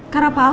karena pak al